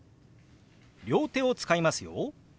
両手を使いますよ。